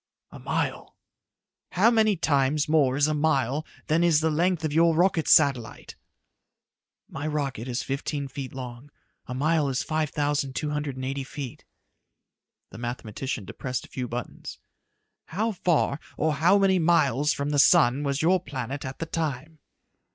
"A mile." "How many times more is a mile than is the length of your rocket satellite?" "My rocket is fifteen feet long. A mile is five thousand two hundred and eighty feet." The mathematician depressed a few buttons. "How far, or how many miles from the sun was your planet at that time?"